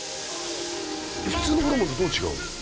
普通のホルモンとどう違うの？